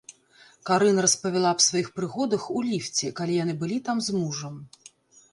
Карын распавяла аб сваіх прыгодах у ліфце, калі яны былі там з мужам.